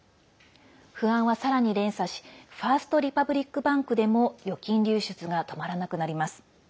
不安は、さらに連鎖しファースト・リパブリック・バンクでも預金流出が止まらなくなります。